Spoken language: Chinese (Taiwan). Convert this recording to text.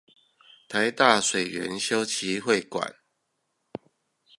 臺大水源修齊會館